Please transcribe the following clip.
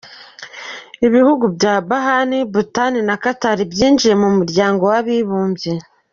Ibihugu bya Bahrain, Bhutan, na Qatar byinjiye mu muryango w’abibumbye.